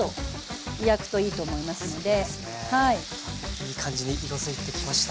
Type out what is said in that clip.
いい感じに色づいてきました。